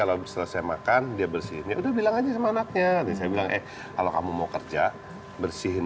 kalau bisa saya makan dia bersihnya udah bilang aja sama anaknya kalau kamu mau kerja bersihin